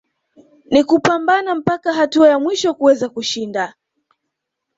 ni kupambana mpaka hatua ya mwisho kuweza kushinda